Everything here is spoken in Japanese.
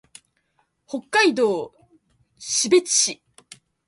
北海道士別市